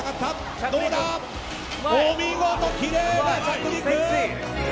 お見事、きれいな着陸！